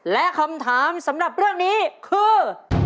และคำถามสำหรับเรื่องนี้คือ